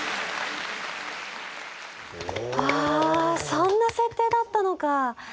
ああそんな設定だったのか。